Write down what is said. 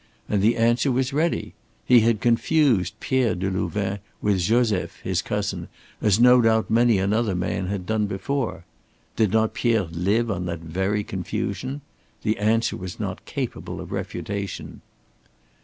And the answer was ready. He had confused Pierre Delouvain with Joseph, his cousin, as no doubt many another man had done before. Did not Pierre live on that very confusion? The answer was not capable of refutation.